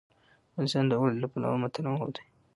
افغانستان د اوړي له پلوه متنوع دی.